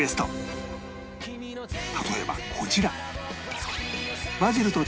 例えばこちら